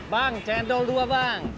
bang cendol dua bang